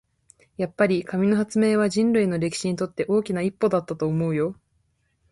やっぱり、紙の発明は人類の歴史にとって大きな一歩だったと思うよ。